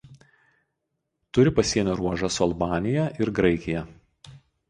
Turi pasienio ruožą su Albanija ir Graikija.